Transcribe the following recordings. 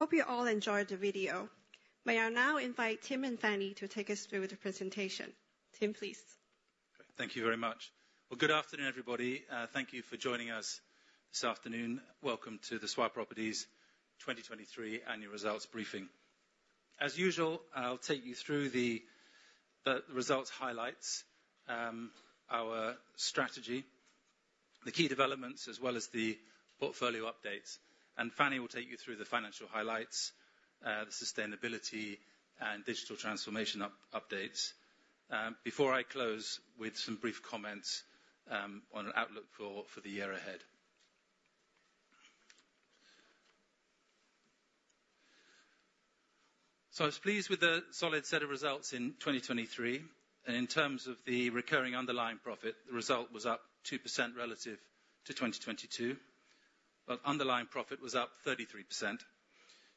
Hope you all enjoyed the video. May I now invite Tim and Fanny to take us through the presentation. Tim, please. Thank you very much. Well, good afternoon, everybody. Thank you for joining us this afternoon. Welcome to the Swire Properties 2023 Annual Results Briefing. As usual, I'll take you through the results highlights, our strategy, the key developments as well as the portfolio updates. Fanny will take you through the financial highlights, the sustainability and digital transformation updates. Before I close with some brief comments on an outlook for the year ahead. I was pleased with the solid set of results in 2023. In terms of the recurring underlying profit, the result was up 2% relative to 2022. Underlying profit was up 33%,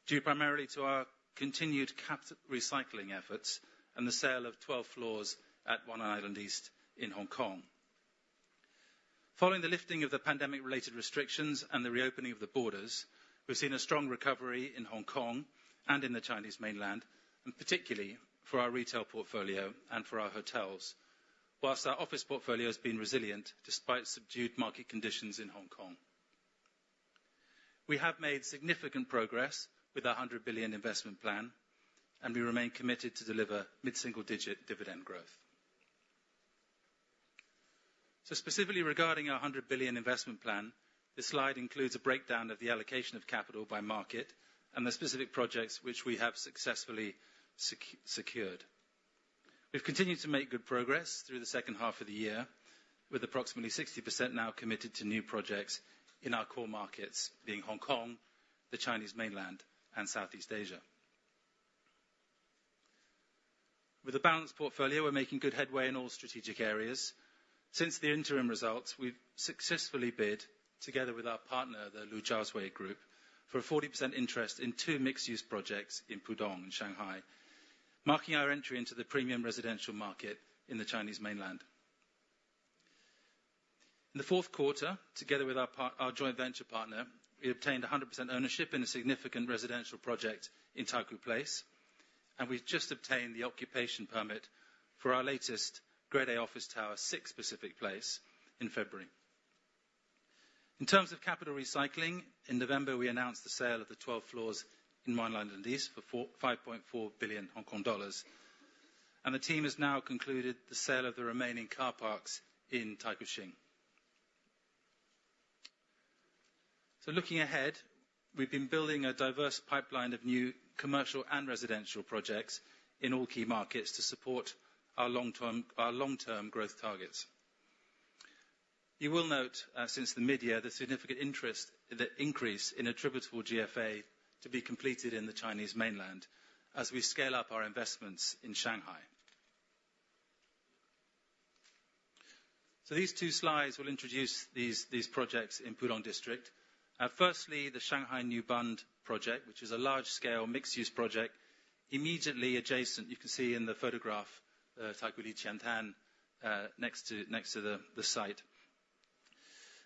due primarily to our continued capital recycling efforts and the sale of 12 floors at One Island East in Hong Kong. Following the lifting of the pandemic-related restrictions and the reopening of the borders, we've seen a strong recovery in Hong Kong and in the Chinese Mainland, and particularly for our retail portfolio and for our hotels, while our office portfolio has been resilient despite subdued market conditions in Hong Kong. We have made significant progress with our 100 billion investment plan, and we remain committed to deliver mid-single digit dividend growth. So specifically regarding our 100 billion investment plan, this slide includes a breakdown of the allocation of capital by market and the specific projects which we have successfully secured. We've continued to make good progress through the second half of the year, with approximately 60% now committed to new projects in our core markets, being Hong Kong, the Chinese Mainland, and Southeast Asia. With a balanced portfolio, we're making good headway in all strategic areas. Since the interim results, we've successfully bid, together with our partner, the Lujiazui Group, for a 40% interest in two mixed-use projects in Pudong and Shanghai, marking our entry into the premium residential market in the Chinese Mainland. In the fourth quarter, together with our joint venture partner, we obtained 100% ownership in a significant residential project in Taikoo Place. We just obtained the occupation permit for our latest Grade-A office tower, Six Pacific Place, in February. In terms of capital recycling, in November we announced the sale of the 12 floors in One Island East for 5.4 billion Hong Kong dollars. The team has now concluded the sale of the remaining car parks in Taikoo Shing. Looking ahead, we've been building a diverse pipeline of new commercial and residential projects in all key markets to support our long-term growth targets. You will note, since the mid-year, the significant increase in attributable GFA to be completed in the Chinese Mainland as we scale up our investments in Shanghai. So these two slides will introduce these projects in Pudong District. Firstly, the Shanghai New Bund project, which is a large-scale mixed-use project immediately adjacent you can see in the photograph, Taikoo Li Qiantan, next to the site.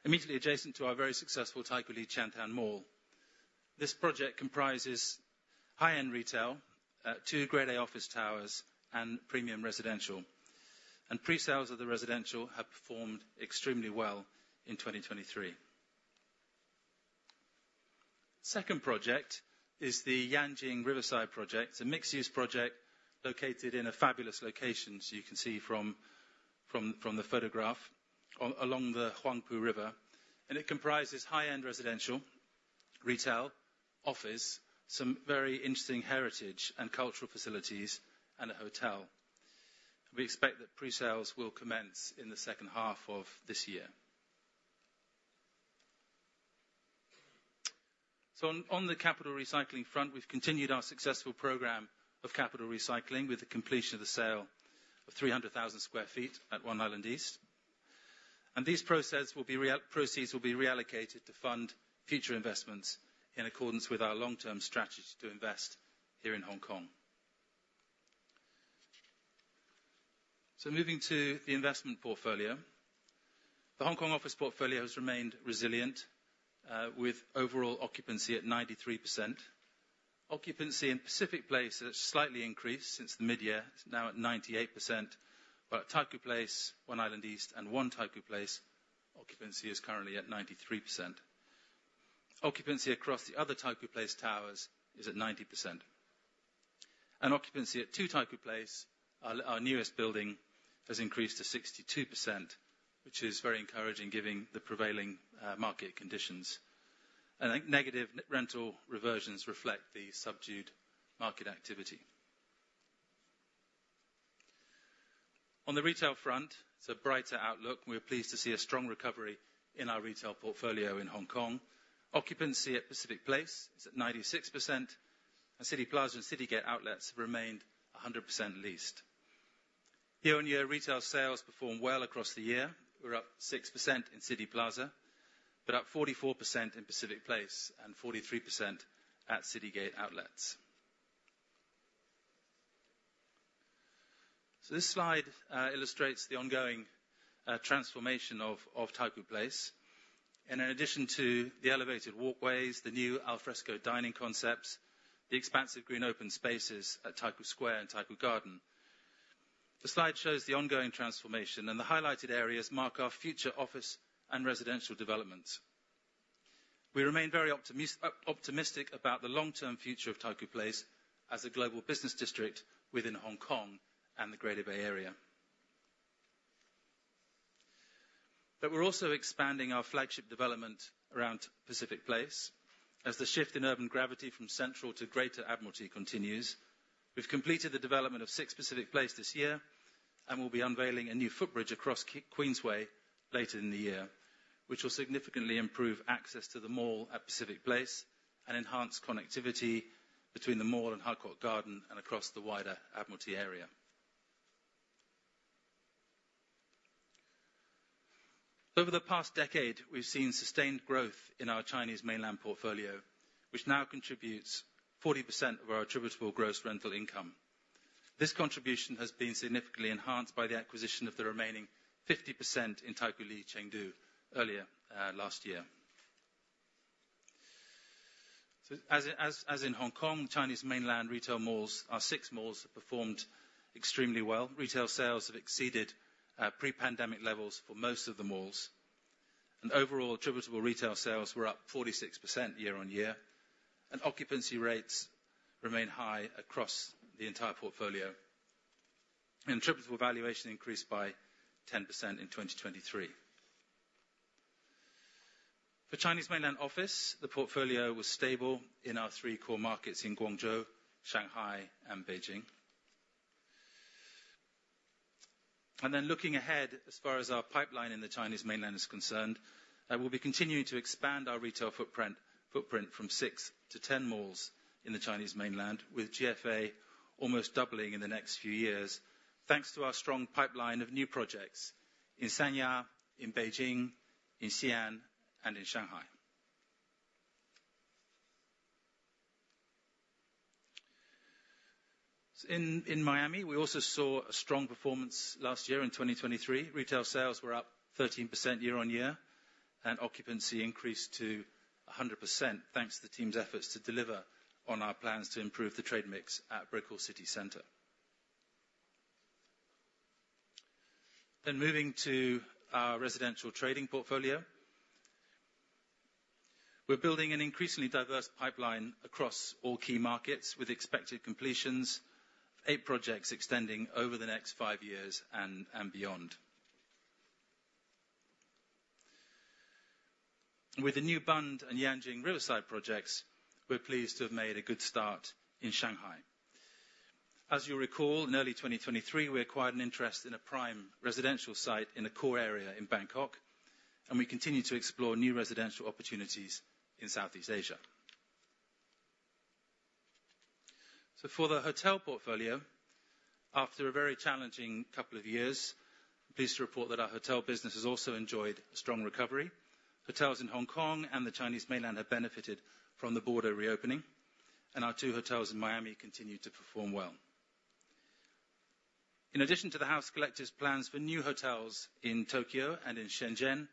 Immediately adjacent to our very successful Taikoo Li Qiantan Mall. This project comprises high-end retail, two Grade-A office towers, and premium residential. And presales of the residential have performed extremely well in 2023. Second project is the Yangjing Riverside project. It's a mixed-use project located in a fabulous location, as you can see from the photograph, along the Huangpu River. And it comprises high-end residential, retail, office, some very interesting heritage and cultural facilities, and a hotel. We expect that presales will commence in the second half of this year. So on the capital recycling front, we've continued our successful program of capital recycling with the completion of the sale of 300,000 sq ft at One Island East. And these proceeds will be reallocated to fund future investments in accordance with our long-term strategy to invest here in Hong Kong. So moving to the investment portfolio, the Hong Kong office portfolio has remained resilient with overall occupancy at 93%. Occupancy in Pacific Place has slightly increased since the mid-year. It's now at 98%. But at Taikoo Place, One Island East, and One Taikoo Place, occupancy is currently at 93%. Occupancy across the other Taikoo Place towers is at 90%. And occupancy at Two Taikoo Place, our newest building, has increased to 62%, which is very encouraging given the prevailing market conditions. Negative rental reversions reflect the subdued market activity. On the retail front, it's a brighter outlook. We're pleased to see a strong recovery in our retail portfolio in Hong Kong. Occupancy at Pacific Place is at 96%. Cityplaza and Citygate Outlets have remained 100% leased. Year-on-year, retail sales perform well across the year. We're up 6% in Cityplaza, but up 44% in Pacific Place and 43% at Citygate Outlets. This slide illustrates the ongoing transformation of Taikoo Place. In addition to the elevated walkways, the new al fresco dining concepts, the expansive green open spaces at Taikoo Square and Taikoo Garden, the slide shows the ongoing transformation. The highlighted areas mark our future office and residential developments. We remain very optimistic about the long-term future of Taikoo Place as a global business district within Hong Kong and the Greater Bay Area. But we're also expanding our flagship development around Pacific Place as the shift in urban gravity from Central to Greater Admiralty continues. We've completed the development of Six Pacific Place this year and will be unveiling a new footbridge across Queensway later in the year, which will significantly improve access to the mall at Pacific Place and enhance connectivity between the mall and Harcourt Garden and across the wider Admiralty area. Over the past decade, we've seen sustained growth in our Chinese Mainland portfolio, which now contributes 40% of our attributable gross rental income. This contribution has been significantly enhanced by the acquisition of the remaining 50% in Taikoo Li Chengdu earlier last year. So as in Hong Kong, Chinese Mainland retail malls are six malls that performed extremely well. Retail sales have exceeded pre-pandemic levels for most of the malls. And overall, attributable retail sales were up 46% year-on-year. Occupancy rates remain high across the entire portfolio. Attributable valuation increased by 10% in 2023. For Chinese Mainland office, the portfolio was stable in our three core markets in Guangzhou, Shanghai, and Beijing. Then looking ahead as far as our pipeline in the Chinese Mainland is concerned, we'll be continuing to expand our retail footprint from six to 10 malls in the Chinese Mainland, with GFA almost doubling in the next few years thanks to our strong pipeline of new projects in Sanya, in Beijing, in Xi'an, and in Shanghai. In Miami, we also saw a strong performance last year in 2023. Retail sales were up 13% year-on-year. Occupancy increased to 100% thanks to the team's efforts to deliver on our plans to improve the trade mix at Brickell City Centre. Then moving to our residential trading portfolio, we're building an increasingly diverse pipeline across all key markets with expected completions of eight projects extending over the next 5 years and beyond. With the New Bund and Yangjing Riverside projects, we're pleased to have made a good start in Shanghai. As you'll recall, in early 2023, we acquired an interest in a prime residential site in a core area in Bangkok. We continue to explore new residential opportunities in Southeast Asia. So for the hotel portfolio, after a very challenging couple of years, I'm pleased to report that our hotel business has also enjoyed a strong recovery. Hotels in Hong Kong and the Chinese Mainland have benefited from the border reopening. Our two hotels in Miami continue to perform well. In addition to the House Collective's plans for new hotels in Tokyo and in Shenzhen,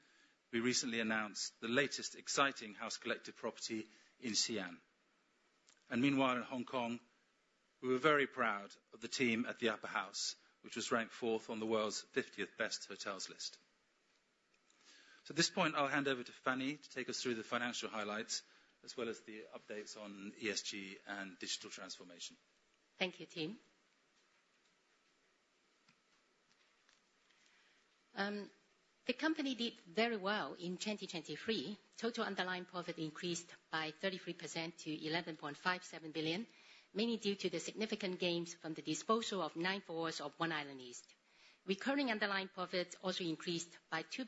we recently announced the latest exciting House Collective property in Xi'an. Meanwhile, in Hong Kong, we were very proud of the team at the Upper House, which was ranked fourth on the World's 50 Best Hotels list. At this point, I'll hand over to Fanny to take us through the financial highlights as well as the updates on ESG and digital transformation. Thank you, Tim. The company did very well in 2023. Total underlying profit increased by 33% to 11.57 billion, mainly due to the significant gains from the disposal of nine floors of One Island East. Recurring underlying profit also increased by 2%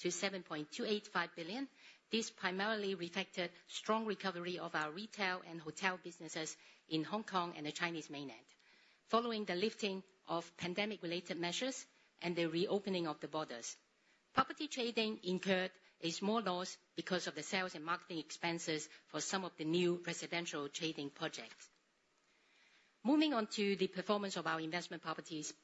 to 7.285 billion. This primarily reflected strong recovery of our retail and hotel businesses in Hong Kong and the Chinese Mainland, following the lifting of pandemic-related measures and the reopening of the borders. Property trading incurred a small loss because of the sales and marketing expenses for some of the new residential trading projects. Moving on to the performance of our investment properties,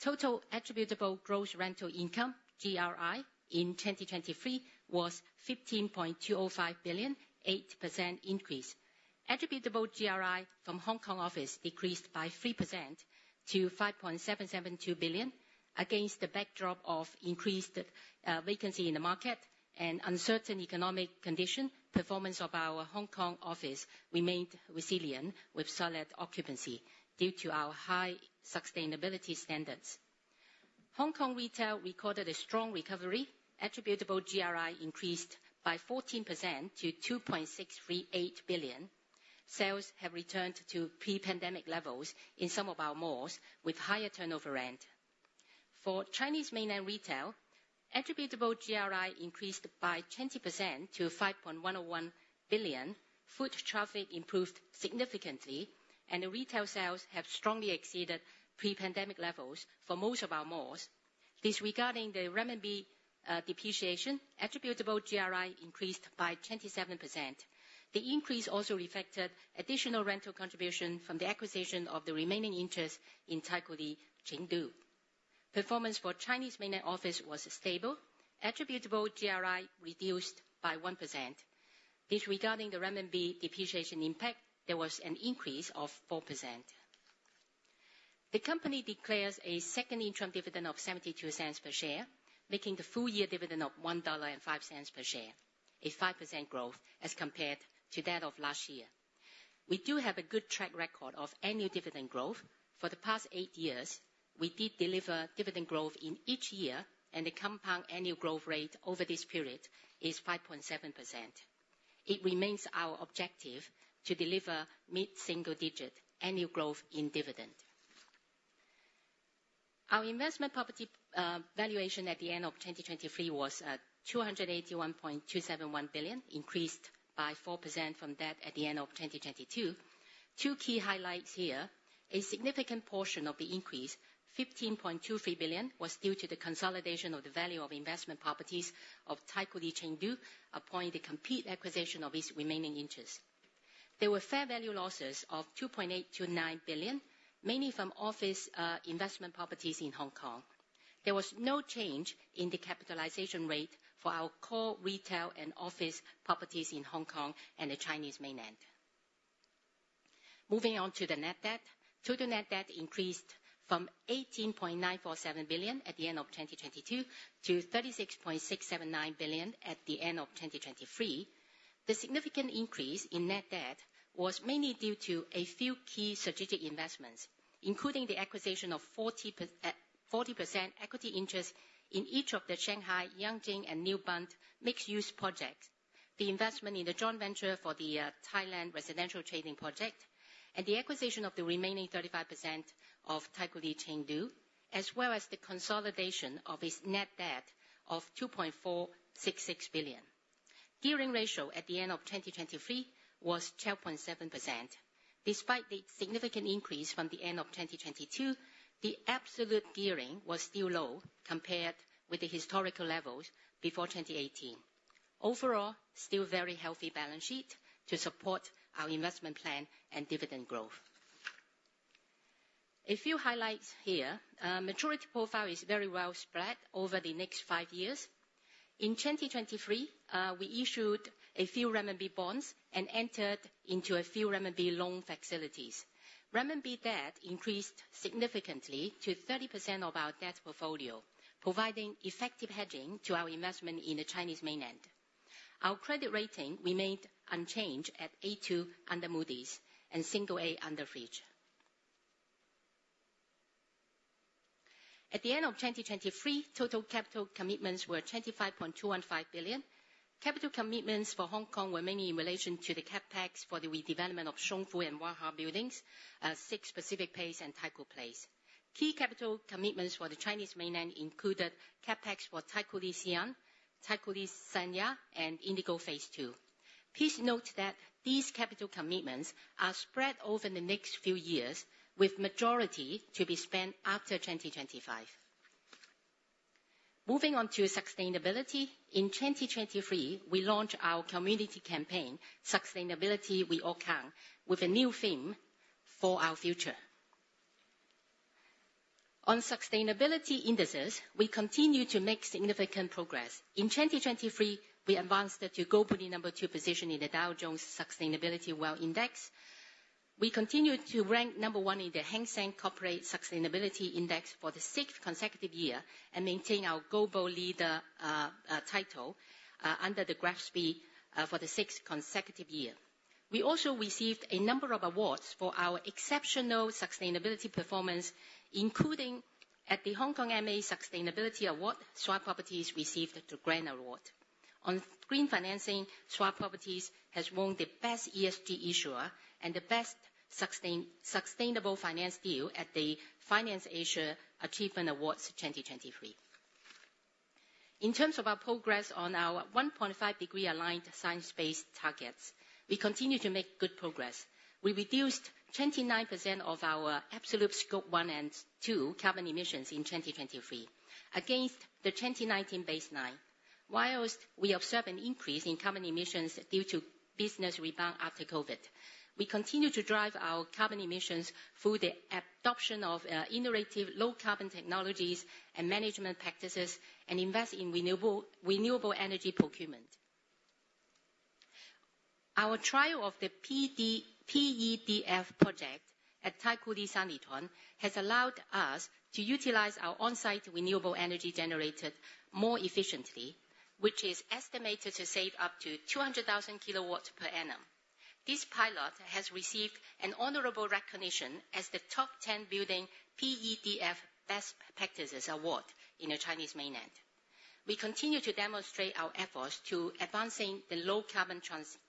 total attributable gross rental income, GRI, in 2023 was 15.205 billion, 8% increase. Attributable GRI from Hong Kong office decreased by 3% to 5.772 billion. Against the backdrop of increased vacancy in the market and uncertain economic conditions, performance of our Hong Kong office remained resilient with solid occupancy due to our high sustainability standards. Hong Kong retail recorded a strong recovery. Attributable GRI increased by 14% to 2.638 billion. Sales have returned to pre-pandemic levels in some of our malls, with higher turnover rent. For Chinese Mainland retail, attributable GRI increased by 20% to 5.101 billion. Foot traffic improved significantly. The retail sales have strongly exceeded pre-pandemic levels for most of our malls. Disregarding the renminbi depreciation, attributable GRI increased by 27%. The increase also reflected additional rental contribution from the acquisition of the remaining interest in Taikoo Li Chengdu. Performance for Chinese Mainland office was stable. Attributable GRI reduced by 1%. Disregarding the renminbi depreciation impact, there was an increase of 4%. The company declares a second interim dividend of 0.72 per share, making the full-year dividend of 1.05 dollar per share, a 5% growth as compared to that of last year. We do have a good track record of annual dividend growth. For the past eight years, we did deliver dividend growth in each year. The compound annual growth rate over this period is 5.7%. It remains our objective to deliver mid-single-digit annual growth in dividend. Our investment property valuation at the end of 2023 was 281.271 billion, increased by 4% from that at the end of 2022. Two key highlights here. A significant portion of the increase, 15.23 billion, was due to the consolidation of the value of investment properties of Taikoo Li Chengdu upon the complete acquisition of its remaining interest. There were fair value losses of 2.89 billion, mainly from office investment properties in Hong Kong. There was no change in the capitalization rate for our core retail and office properties in Hong Kong and the Chinese Mainland. Moving on to the net debt. Total net debt increased from 18.947 billion at the end of 2022 to 36.679 billion at the end of 2023. The significant increase in net debt was mainly due to a few key strategic investments, including the acquisition of 40% equity interest in each of the Shanghai, Yangjing, and New Bund mixed-use projects, the investment in the joint venture for the Thailand residential trading project, and the acquisition of the remaining 35% of Taikoo Li Chengdu, as well as the consolidation of its net debt of 2.466 billion. Gearing ratio at the end of 2023 was 12.7%. Despite the significant increase from the end of 2022, the absolute gearing was still low compared with the historical levels before 2018. Overall, still a very healthy balance sheet to support our investment plan and dividend growth. A few highlights here. Maturity profile is very well spread over the next five years. In 2023, we issued a few renminbi bonds and entered into a few renminbi loan facilities. Renminbi debt increased significantly to 30% of our debt portfolio, providing effective hedging to our investment in the Chinese Mainland. Our credit rating remained unchanged at A2 under Moody's and single A under Fitch. At the end of 2023, total capital commitments were 25.215 billion. Capital commitments for Hong Kong were mainly in relation to the CapEx for the redevelopment of Zung Fu and Wah Ha buildings, Six Pacific Place, and Taikoo Place. Key capital commitments for the Chinese Mainland included CapEx for Taikoo Li Xi'an, Taikoo Li Sanya, and INDIGO Phase Two. Please note that these capital commitments are spread over the next few years, with the majority to be spent after 2025. Moving on to sustainability. In 2023, we launched our community campaign, Sustainability We All CountF, with a new theme for our future. On sustainability indices, we continue to make significant progress. In 2023, we advanced to global number two position in the Dow Jones Sustainability World Index. We continue to rank number one in the Hang Seng Corporate Sustainability Index for the sixth consecutive year and maintain our global leader title under the GRESB for the sixth consecutive year. We also received a number of awards for our exceptional sustainability performance, including at the Hong Kong MA Sustainability Award, Swire Properties received the Grand Award. On green financing, Swire Properties has won the best ESG issuer and the best sustainable finance deal at the FinanceAsia Achievement Awards 2023. In terms of our progress on our 1.5-degree aligned science-based targets, we continue to make good progress. We reduced 29% of our absolute Scope 1 and 2 carbon emissions in 2023 against the 2019 baseline, while we observe an increase in carbon emissions due to business rebound after COVID. We continue to drive our carbon emissions through the adoption of innovative low-carbon technologies and management practices and invest in renewable energy procurement. Our trial of the PEDF project at Taikoo Li Sanlitun has allowed us to utilize our on-site renewable energy generator more efficiently, which is estimated to save up to 200,000 kW per annum. This pilot has received an honorable recognition as the top 10 building PEDF best practices award in the Chinese Mainland. We continue to demonstrate our efforts to advancing the low-carbon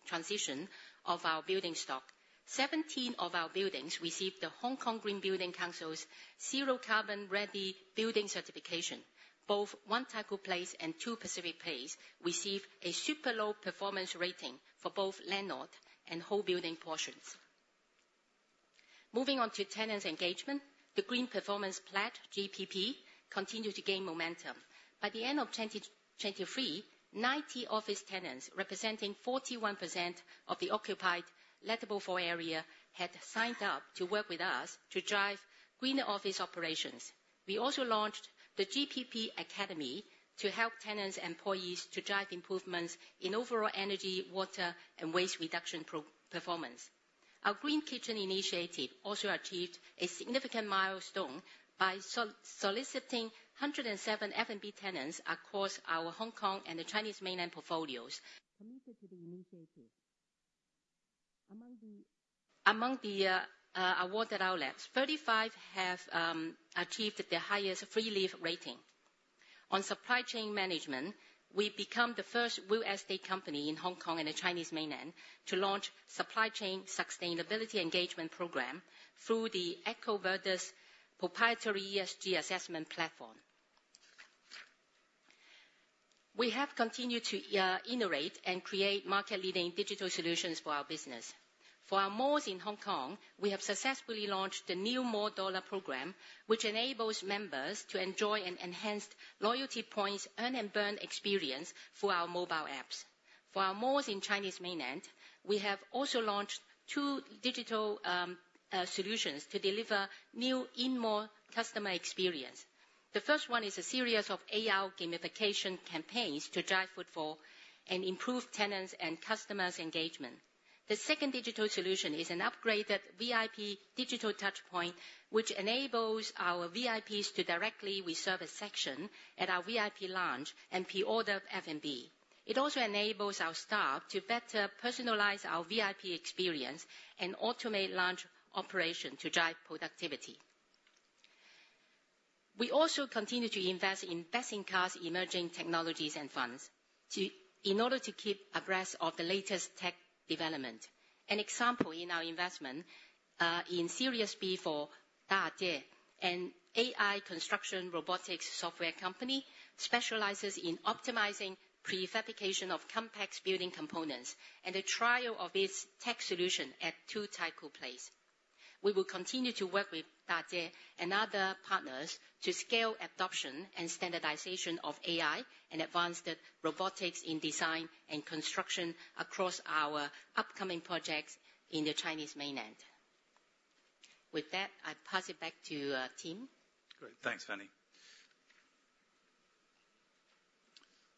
transition of our building stock. 17 of our buildings received the Hong Kong Green Building Council's Zero Carbon Ready Building Certification. Both One Taikoo Place and Two Pacific Place received a super low performance rating for both landlord and whole building portions. Moving on to tenants' engagement, the Green Performance Pledge, GPP, continued to gain momentum. By the end of 2023, 90 office tenants, representing 41% of the occupied lettable floor area, had signed up to work with us to drive greener office operations. We also launched the GPP Academy to help tenants' employees to drive improvements in overall energy, water, and waste reduction performance. Our Green Kitchen Initiative also achieved a significant milestone by soliciting 107 F&B tenants across our Hong Kong and the Chinese Mainland portfolios. Committed to the initiative. Among the. Among the awarded outlets, 35 have achieved their highest Green Lease rating. On supply chain management, we become the first real estate company in Hong Kong and the Chinese Mainland to launch a supply chain sustainability engagement program through the EcoVadis proprietary ESG assessment platform. We have continued to iterate and create market-leading digital solutions for our business. For our malls in Hong Kong, we have successfully launched the New Mall Dollar program, which enables members to enjoy an enhanced loyalty points earn-and-burn experience for our mobile apps. For our malls in the Chinese Mainland, we have also launched two digital solutions to deliver a new in-mall customer experience. The first one is a series of AR gamification campaigns to drive footfall and improve tenants' and customers' engagement. The second digital solution is an upgraded VIP digital touchpoint, which enables our VIPs to directly reserve a section at our VIP lounge and pre-order F&B. It also enables our staff to better personalize our VIP experience and automate lounge operation to drive productivity. We also continue to invest in best-in-class emerging technologies and funds in order to keep abreast of the latest tech development. An example in our investment in Series B for Dajie, an AI construction robotics software company, specializes in optimizing prefabrication of complex building components and the trial of its tech solution at Two Taikoo Place. We will continue to work with Dajie and other partners to scale adoption and standardization of AI and advanced robotics in design and construction across our upcoming projects in the Chinese Mainland. With that, I pass it back to Tim. Great. Thanks, Fanny.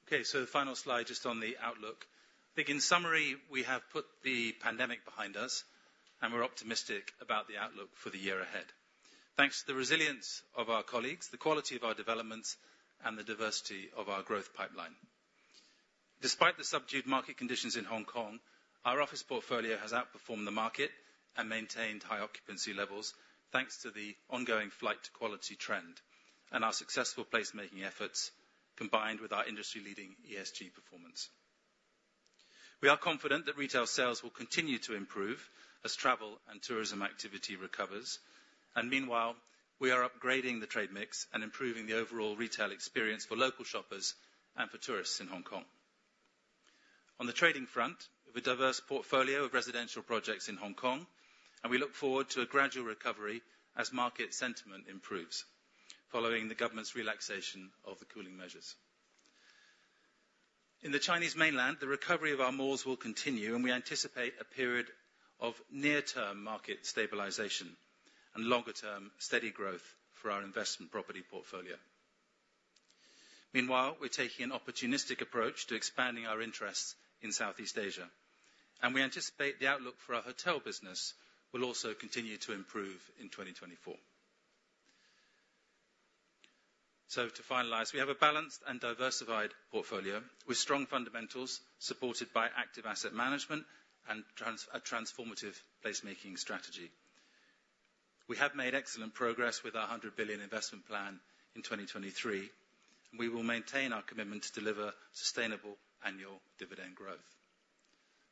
Okay. So the final slide just on the outlook. I think, in summary, we have put the pandemic behind us, and we're optimistic about the outlook for the year ahead. Thanks to the resilience of our colleagues, the quality of our developments, and the diversity of our growth pipeline. Despite the subdued market conditions in Hong Kong, our office portfolio has outperformed the market and maintained high occupancy levels thanks to the ongoing flight-to-quality trend and our successful placemaking efforts combined with our industry-leading ESG performance. We are confident that retail sales will continue to improve as travel and tourism activity recovers. And meanwhile, we are upgrading the trade mix and improving the overall retail experience for local shoppers and for tourists in Hong Kong. On the trading front, we have a diverse portfolio of residential projects in Hong Kong, and we look forward to a gradual recovery as market sentiment improves following the government's relaxation of the cooling measures. In the Chinese Mainland, the recovery of our malls will continue, and we anticipate a period of near-term market stabilization and longer-term steady growth for our investment property portfolio. Meanwhile, we're taking an opportunistic approach to expanding our interests in Southeast Asia, and we anticipate the outlook for our hotel business will also continue to improve in 2024. So to finalize, we have a balanced and diversified portfolio with strong fundamentals supported by active asset management and a transformative placemaking strategy. We have made excellent progress with our 100 billion investment plan in 2023, and we will maintain our commitment to deliver sustainable annual dividend growth.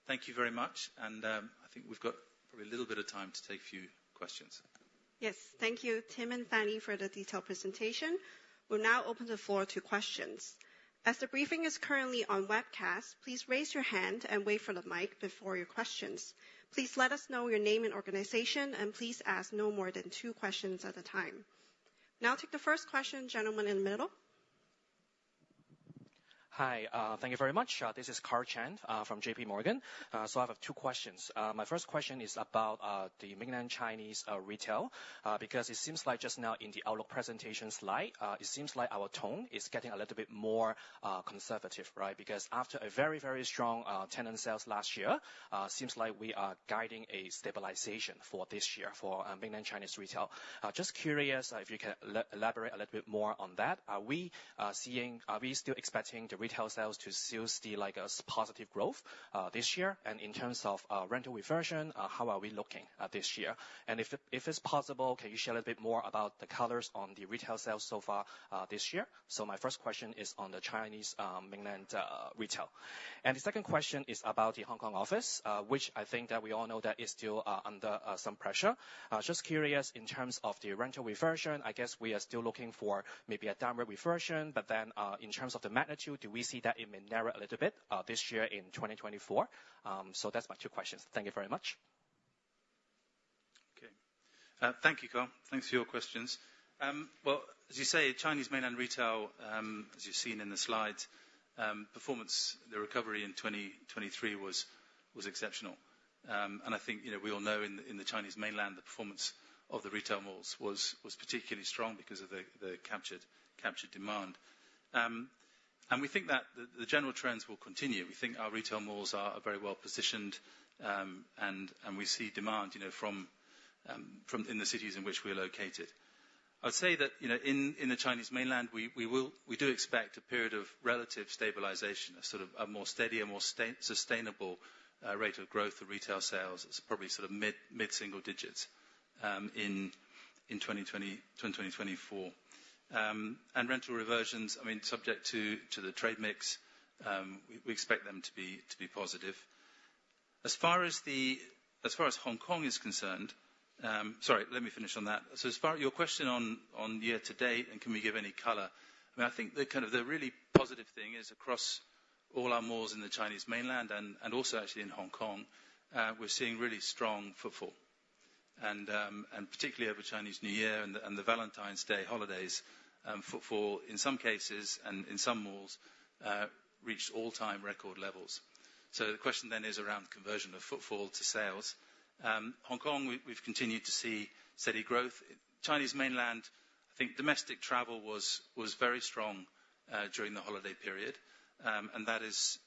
Thank you very much. I think we've got probably a little bit of time to take a few questions. Yes. Thank you, Tim and Fanny, for the detailed presentation. We'll now open the floor to questions. As the briefing is currently on webcast, please raise your hand and wait for the mic before your questions. Please let us know your name and organization, and please ask no more than two questions at a time. Now, take the first question, gentleman in the middle. Hi. Thank you very much. This is Karl Chan from J.P. Morgan. So I have two questions. My first question is about the mainland Chinese retail because it seems like just now in the outlook presentation slide, it seems like our tone is getting a little bit more conservative, right? Because after a very, very strong tenant sales last year, it seems like we are guiding a stabilization for this year for mainland Chinese retail. Just curious if you can elaborate a little bit more on that. Are we still expecting the retail sales to still see a positive growth this year? And in terms of rental reversion, how are we looking this year? And if it's possible, can you share a little bit more about the colors on the retail sales so far this year? So my first question is on the Chinese Mainland retail. And the second question is about the Hong Kong office, which I think that we all know that is still under some pressure. Just curious, in terms of the rental reversion, I guess we are still looking for maybe a downward reversion. But then in terms of the magnitude, do we see that it may narrow a little bit this year in 2024? So that's my two questions. Thank you very much. Okay. Thank you, Karl. Thanks for your questions. Well, as you say, Chinese Mainland retail, as you've seen in the slides, the recovery in 2023 was exceptional. And I think we all know in the Chinese Mainland, the performance of the retail malls was particularly strong because of the captured demand. And we think that the general trends will continue. We think our retail malls are very well positioned, and we see demand in the cities in which we are located. I would say that in the Chinese Mainland, we do expect a period of relative stabilization, a more steady, a more sustainable rate of growth of retail sales. It's probably mid-single digits in 2024. And rental reversions, I mean, subject to the trade mix, we expect them to be positive. As far as Hong Kong is concerned, sorry, let me finish on that. So as far as your question on year to date and can we give any color, I mean, I think the really positive thing is across all our malls in the Chinese Mainland and also actually in Hong Kong, we're seeing really strong footfall. And particularly over Chinese New Year and the Valentine's Day holidays, footfall, in some cases and in some malls, reached all-time record levels. So the question then is around conversion of footfall to sales. Hong Kong, we've continued to see steady growth. Chinese Mainland, I think domestic travel was very strong during the holiday period, and that has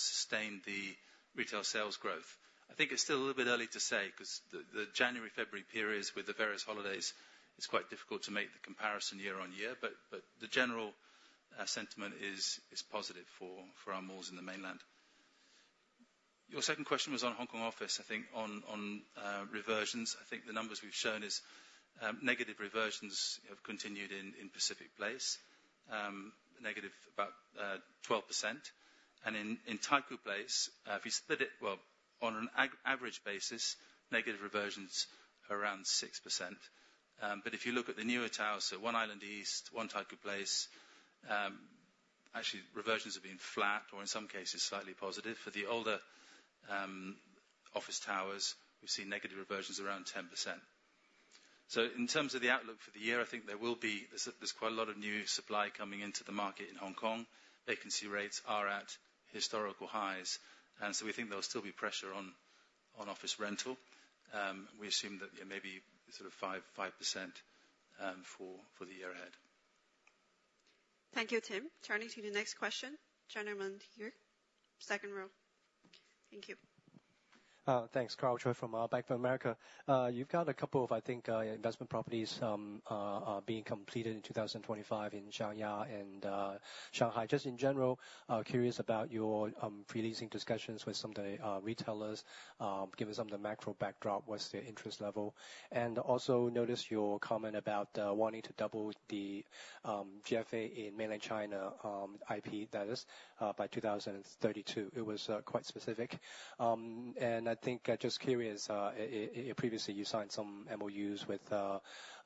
sustained the retail sales growth. I think it's still a little bit early to say because the January, February periods with the various holidays, it's quite difficult to make the comparison year-on-year. But the general sentiment is positive for our malls in the Mainland. Your second question was on Hong Kong office, I think, on reversions. I think the numbers we've shown is negative reversions have continued in Pacific Place, negative about 12%. And in Taikoo Place, if you split it well, on an average basis, negative reversions are around 6%. But if you look at the newer towers, so One Island East, One Taikoo Place, actually, reversions have been flat or, in some cases, slightly positive. For the older office towers, we've seen negative reversions around 10%. So in terms of the outlook for the year, I think there will be there's quite a lot of new supply coming into the market in Hong Kong. Vacancy rates are at historical highs. And so we think there will still be pressure on office rental. We assume that maybe 5% for the year-ahead. Thank you, Tim. Turning to the next question. Gentleman here, second row. Thank you. Thanks, Karl Choi from Bank of America. You've got a couple of, I think, investment properties being completed in 2025 in Shanghai and Shanghai. Just in general, curious about your pre-leasing discussions with some of the retailers, given some of the macro backdrop, what's their interest level? And also noticed your comment about wanting to double the GFA in Mainland China IP status by 2032. It was quite specific. And I think just curious, previously, you signed some MOUs with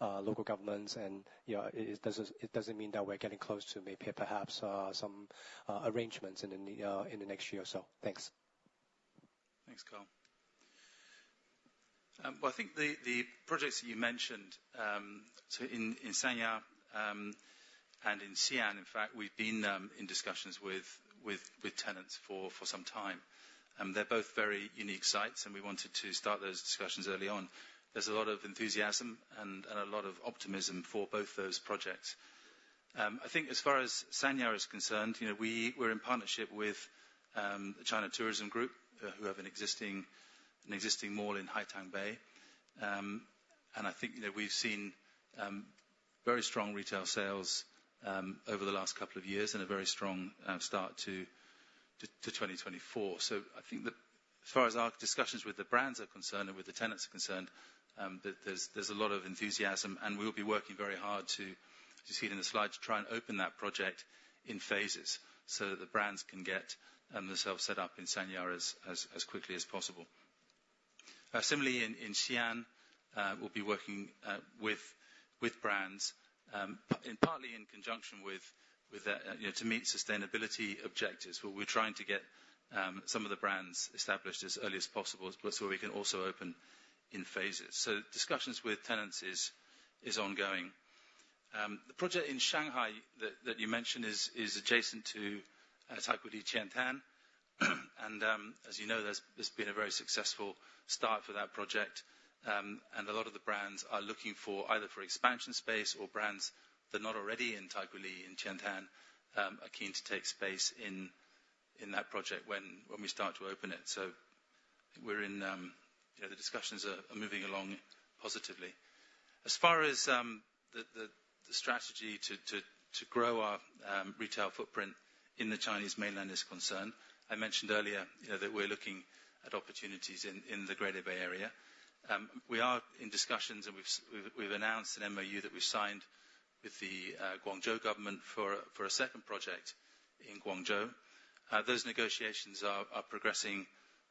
local governments. And it doesn't mean that we're getting close to maybe perhaps some arrangements in the next year or so. Thanks. Thanks, Karl. Well, I think the projects that you mentioned so in Sanya and in Xi'an, in fact, we've been in discussions with tenants for some time. They're both very unique sites, and we wanted to start those discussions early on. There's a lot of enthusiasm and a lot of optimism for both those projects. I think as far as Sanya is concerned, we're in partnership with China Tourism Group, who have an existing mall in Haitang Bay. And I think we've seen very strong retail sales over the last couple of years and a very strong start to 2024. So I think that as far as our discussions with the brands are concerned and with the tenants are concerned, there's a lot of enthusiasm. We will be working very hard, as you see it in the slide, to try and open that project in phases so that the brands can get themselves set up in Sanya as quickly as possible. Similarly, in Xi'an, we'll be working with brands, partly in conjunction with to meet sustainability objectives. We're trying to get some of the brands established as early as possible so we can also open in phases. Discussions with tenants is ongoing. The project in Shanghai that you mentioned is adjacent to Taikoo Li Qiantan. As you know, there's been a very successful start for that project. A lot of the brands are looking either for expansion space or brands that are not already in Taikoo Li Qiantan are keen to take space in that project when we start to open it. I think the discussions are moving along positively. As far as the strategy to grow our retail footprint in the Chinese Mainland is concerned, I mentioned earlier that we're looking at opportunities in the Greater Bay Area. We are in discussions, and we've announced an MOU that we've signed with the Guangzhou government for a second project in Guangzhou. Those negotiations are progressing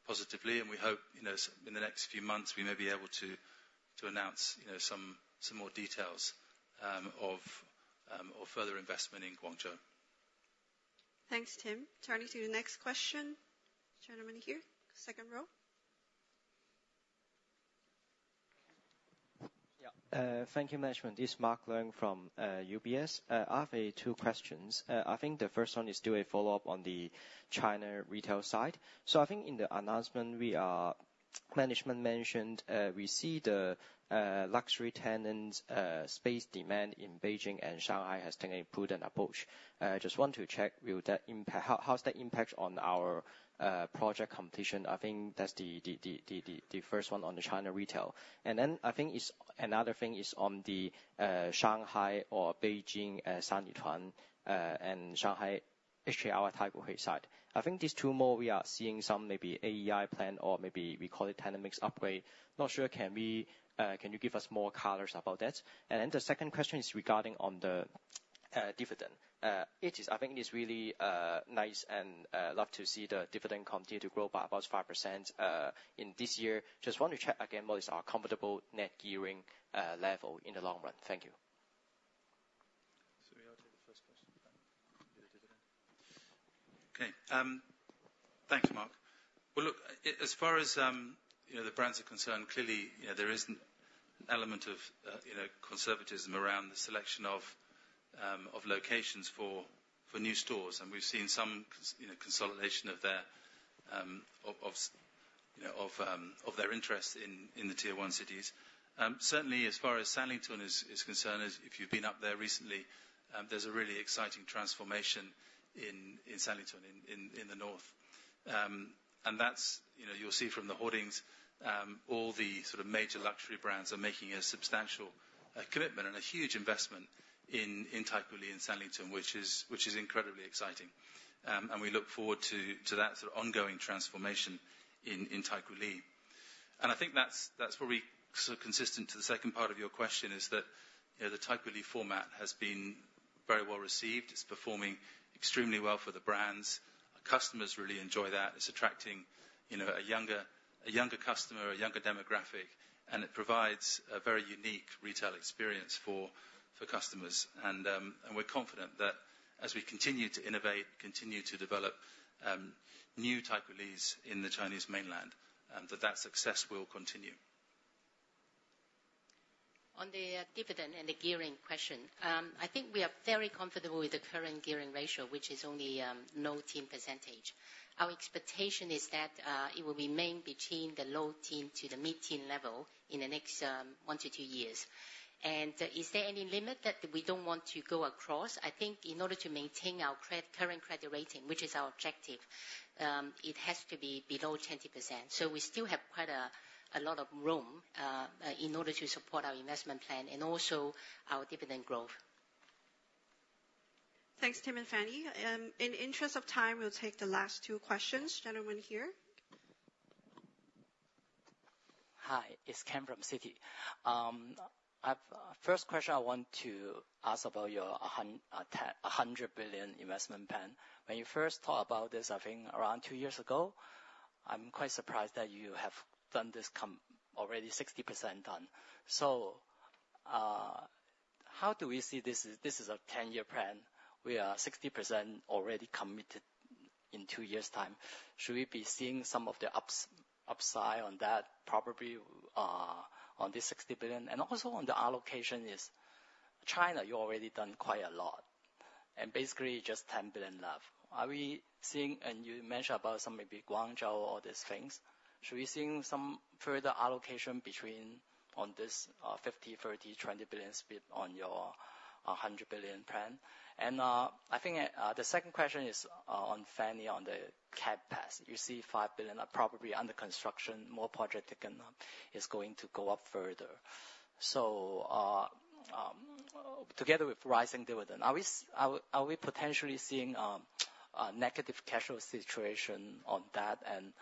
positively. We hope in the next few months, we may be able to announce some more details of further investment in Guangzhou. Thanks, Tim. Turning to the next question. Gentleman here, second row. Yeah. Thank you, management. It's Mark Leung from UBS. I have two questions. I think the first one is still a follow-up on the China retail side. So I think in the announcement, management mentioned we see the luxury tenants' space demand in Beijing and Shanghai has taken a prudent approach. I just want to check, how's that impact on our project completion? I think that's the first one on the China retail. And then I think another thing is on the Shanghai or Beijing Sanlitun and Shanghai HKRI Taikoo Hui side. I think these two malls, we are seeing some maybe AEI plan or maybe we call it tenant mix upgrade. Not sure. Can you give us more colors about that? And then the second question is regarding the dividend. I think it's really nice and love to see the dividend continue to grow by about 5% in this year. Just want to check again what is our comfortable net gearing level in the long run? Thank you. So we'll take the first question about the dividend. Okay. Thanks, Mark. Well, look, as far as the brands are concerned, clearly, there is an element of conservatism around the selection of locations for new stores. And we've seen some consolidation of their interest in the tier one cities. Certainly, as far as Sanlitun is concerned, if you've been up there recently, there's a really exciting transformation in Sanlitun in the north. And you'll see from the holdings, all the major luxury brands are making a substantial commitment and a huge investment in Taikoo Li Sanlitun, which is incredibly exciting. And we look forward to that ongoing transformation in Taikoo Li. And I think that's probably consistent to the second part of your question, is that the Taikoo Li format has been very well received. It's performing extremely well for the brands. Customers really enjoy that. It's attracting a younger customer, a younger demographic. It provides a very unique retail experience for customers. We're confident that as we continue to innovate, continue to develop new Taikoo Lis in the Chinese Mainland, that that success will continue. On the dividend and the gearing question, I think we are very comfortable with the current gearing ratio, which is only a low-teens percentage. Our expectation is that it will remain between the low-teens to the mid-teens level in the next one to two years. And is there any limit that we don't want to go across? I think in order to maintain our current credit rating, which is our objective, it has to be below 20%. So we still have quite a lot of room in order to support our investment plan and also our dividend growth. Thanks, Tim and Fanny. In interest of time, we'll take the last two questions. Gentleman here. Hi. It's Ken from Citi. First question, I want to ask about your 100 billion investment plan. When you first talked about this, I think around two years ago, I'm quite surprised that you have done this already 60% done. So how do we see this? This is a 10-year plan. We are 60% already committed in two years' time. Should we be seeing some of the upside on that, probably on this 60 billion? And also on the allocation is China, you've already done quite a lot. And basically, just 10 billion left. Are we seeing and you mentioned about some maybe Guangzhou or these things. Should we see some further allocation on this HKD 50 billion, 30 billion, 20 billion split on your 100 billion plan? And I think the second question is on Fanny, on the CapEx. You see 5 billion are probably under construction. More project taken up is going to go up further. So together with rising dividend, are we potentially seeing a negative cash flow situation on that? And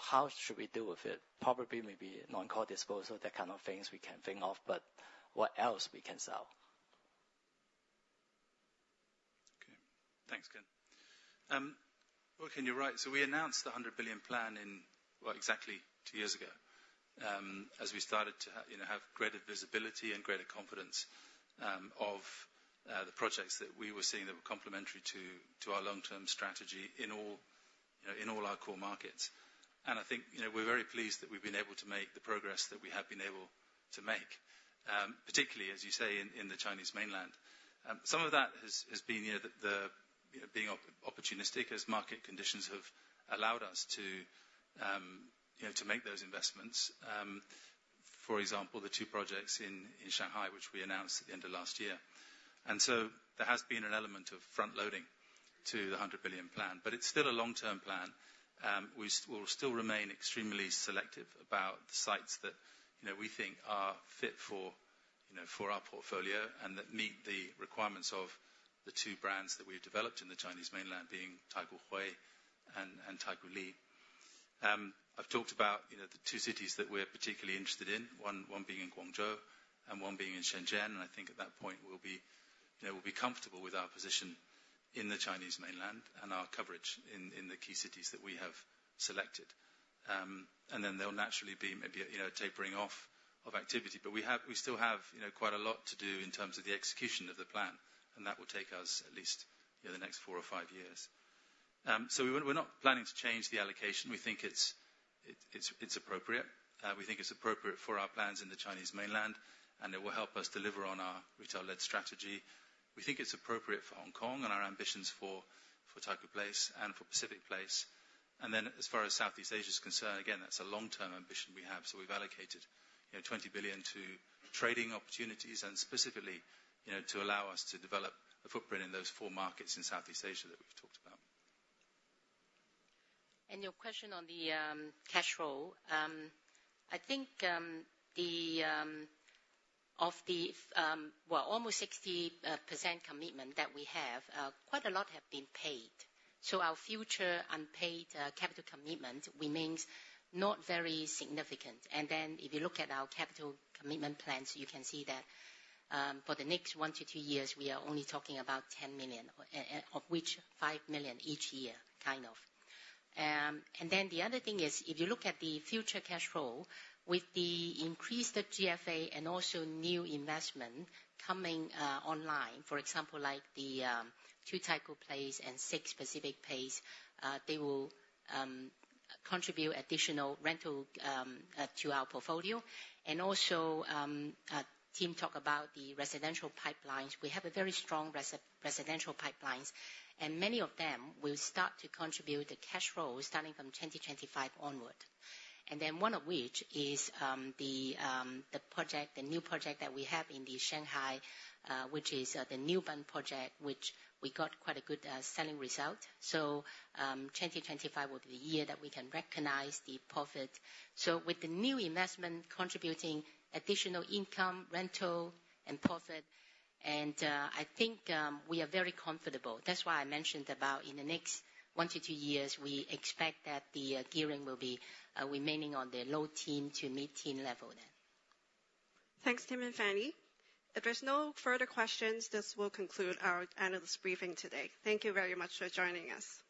how should we deal with it? Probably maybe non-core disposal, that kind of things we can think of. But what else we can sell? Okay. Thanks, Ken. Look, and you're right. So we announced the 100 billion plan exactly two years ago as we started to have greater visibility and greater confidence of the projects that we were seeing that were complementary to our long-term strategy in all our core markets. And I think we're very pleased that we've been able to make the progress that we have been able to make, particularly, as you say, in the Chinese Mainland. Some of that has been being opportunistic as market conditions have allowed us to make those investments. For example, the two projects in Shanghai, which we announced at the end of last year. And so there has been an element of front-loading to the 100 billion plan. But it's still a long-term plan. We'll still remain extremely selective about the sites that we think are fit for our portfolio and that meet the requirements of the two brands that we've developed in the Chinese Mainland, being Taikoo Hui and Taikoo Li. I've talked about the two cities that we're particularly interested in, one being in Guangzhou and one being in Shenzhen. And I think at that point, we'll be comfortable with our position in the Chinese Mainland and our coverage in the key cities that we have selected. And then they'll naturally be maybe tapering off of activity. But we still have quite a lot to do in terms of the execution of the plan. And that will take us at least the next four or five years. So we're not planning to change the allocation. We think it's appropriate. We think it's appropriate for our plans in the Chinese Mainland. It will help us deliver on our retail-led strategy. We think it's appropriate for Hong Kong and our ambitions for Taikoo Place and for Pacific Place. Then as far as Southeast Asia is concerned, again, that's a long-term ambition we have. We've allocated 20 billion to trading opportunities and specifically to allow us to develop a footprint in those four markets in Southeast Asia that we've talked about. Your question on the cash flow, I think of the, well, almost 60% commitment that we have, quite a lot have been paid. So our future unpaid capital commitment remains not very significant. And then if you look at our capital commitment plans, you can see that for the next one to two years, we are only talking about 10 million, of which 5 million each year, kind of. And then the other thing is if you look at the future cash flow with the increased GFA and also new investment coming online, for example, like the Two Taikoo Place and Six Pacific Place, they will contribute additional rental to our portfolio. And also, Tim talked about the residential pipelines. We have very strong residential pipelines. And many of them will start to contribute the cash flow starting from 2025 onward. And then one of which is the new project that we have in Shanghai, which is the New Bund project, which we got quite a good selling result. So 2025 will be the year that we can recognize the profit. So with the new investment contributing additional income, rental, and profit, and I think we are very comfortable. That's why I mentioned about in the next one to two years, we expect that the gearing will be remaining on the low-teens to mid-teens level then. Thanks, Tim and Fanny. If there's no further questions, this will conclude our analyst briefing today. Thank you very much for joining us.